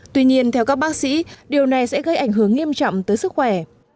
tuy nhiên theo các bác sĩ điều này sẽ gây ảnh hưởng nghiêm trọng tới sức khỏe